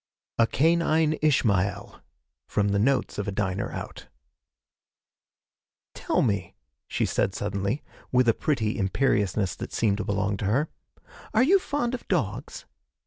A CANINE ISHMAEL (FROM THE NOTES OF A DINER OUT) 'Tell me,' she said suddenly, with a pretty imperiousness that seemed to belong to her, 'are you fond of dogs?'